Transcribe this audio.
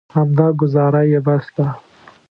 همدا ګوزاره یې بس ده.